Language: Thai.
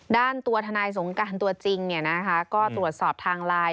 ด้านตัวทนายสงการตัวจริงก็ตรวจสอบทางไลน์